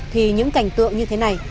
thì những cảnh tượng như thế này